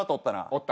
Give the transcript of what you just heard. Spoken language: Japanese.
おった。